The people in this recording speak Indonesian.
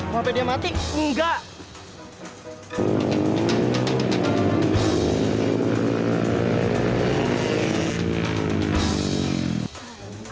kalau sampai dia mati enggak